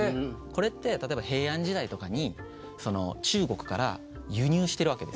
これって例えば平安時代とかに中国から輸入してるわけですよね。